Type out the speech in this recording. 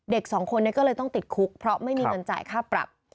สองคนนี้ก็เลยต้องติดคุกเพราะไม่มีเงินจ่ายค่าปรับ